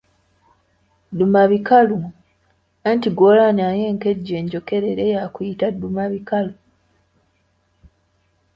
Ddumabikalu, anti gw'olya naye enkejje enjokerere yakuyita ddumabikalu.